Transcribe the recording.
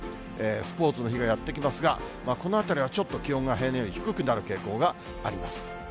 スポーツの日がやってきますが、このあたりはちょっと気温が平年より低くなる傾向があります。